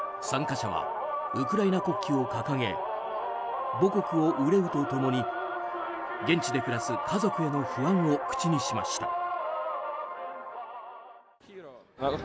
参加者はウクライナ国旗を掲げ母国を憂うと共に現地で暮らす家族への不安を口にしました。